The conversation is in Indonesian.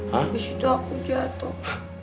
habis itu aku jatuh